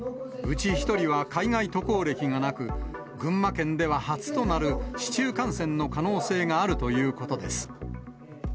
うち１人は海外渡航歴がなく、群馬県では初となる市中感染の可能性があるということです。